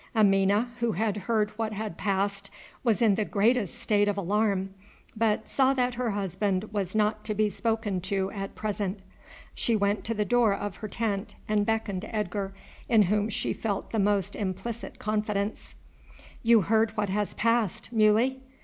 Amina, who had heard what had passed, was in the greatest state of alarm, but saw that her husband was not to be spoken to at present. She went to the door of her tent and beckoned to Edgar, in whom she felt the most implicit confidence. "You heard what has passed, Muley?"